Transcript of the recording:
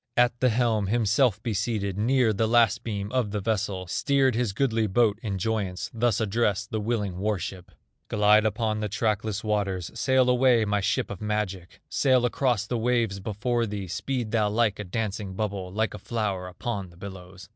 At the helm himself he seated, Near the last beam of the vessel, Steered his goodly boat in joyance, Thus addressed the willing war ship: "Glide upon the trackless waters, Sail away, my ship of magic, Sail across the waves before thee, Speed thou like a dancing bubble, Like a flower upon the billows!"